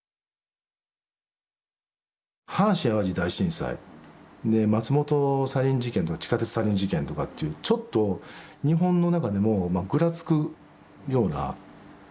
阪神・淡路大震災で松本サリン事件と地下鉄サリン事件とかっていうちょっと日本の中でもぐらつくような普通じゃおれないなっていうふうな感じ。